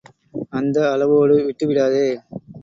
அந்த அளவோடு விட்டுவிடாதே.